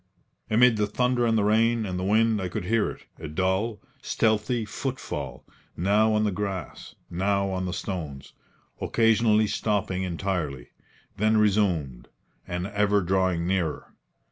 Amid the thunder and the rain and the wind I could hear it a dull, stealthy footfall, now on the grass, now on the stones occasionally stopping entirely, then resumed, and ever drawing nearer.